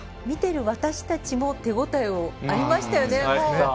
見ている私たちも手応え、ありましたよね。